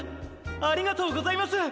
ありがとうございます！